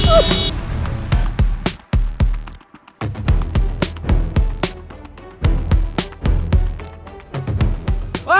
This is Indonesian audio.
leluan sos kebun